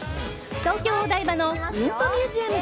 東京・お台場のうんこミュージアム